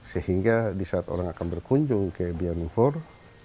sehingga di saat orang akan berkunjung ke biak lumpur